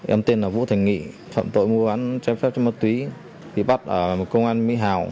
em tên là vũ thành nghị phạm tội mua bán trái phép chất ma túy bị bắt ở công an mỹ hào